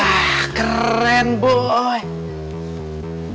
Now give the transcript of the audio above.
kamu mau jalan ke bukit ma